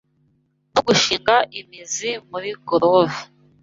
no gushinga imizi muri Gorove